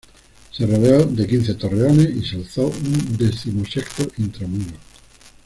Se rodeó de quince torreones y se alzó un decimosexto intramuros.